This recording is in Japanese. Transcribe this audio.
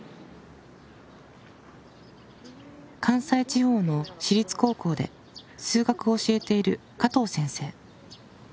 関西地方の私立高校で数学を教えている加藤先生。